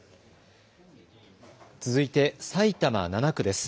続いて埼玉７区です。